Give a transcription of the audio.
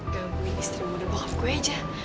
gak mungkin istri muda bokap gue aja